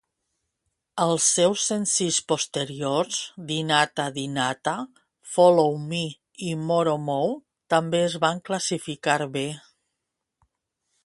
Els seus senzills posteriors "Dinata Dinata", "Follow Me" i "Moro Mou" també es van classificar bé.